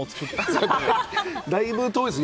だいぶ遠いです。